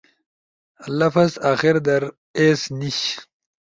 لفظ آخر در ایس نیِش